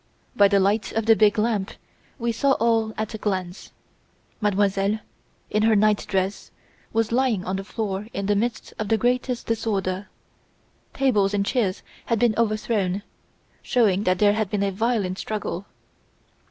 By the light of the big lamp we saw all at a glance. Mademoiselle, in her night dress, was lying on the floor in the midst of the greatest disorder. Tables and chairs had been overthrown, showing that there had been a violent struggle.